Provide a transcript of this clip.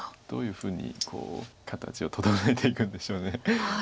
どういうふうに形を整えていくんでしょう。